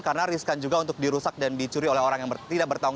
karena riskan juga untuk dirusak dan dicuri oleh orang yang tidak bertanggung